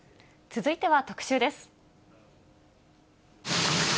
続いては特集です。